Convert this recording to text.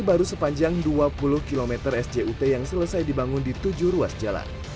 baru sepanjang dua puluh km sjut yang selesai dibangun di tujuh ruas jalan